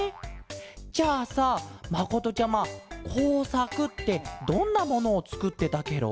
じゃあさまことちゃまこうさくってどんなものをつくってたケロ？